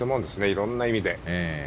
いろんな意味で。